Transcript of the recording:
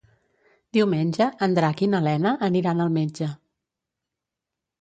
Diumenge en Drac i na Lena aniran al metge.